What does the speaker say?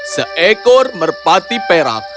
seekor merpati perak